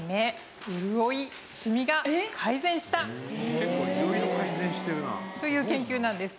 結構色々改善してるな。という研究なんです。